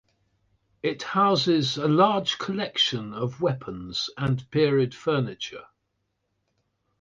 It houses a large collection of weapons and period furniture.